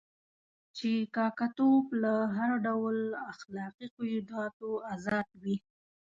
چې کاکه توب له هر ډول اخلاقي قیوداتو آزادوي.